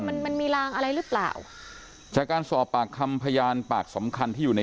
มันมันมีรางอะไรหรือเปล่าจากการสอบปากคำพยานปากสำคัญที่อยู่ใน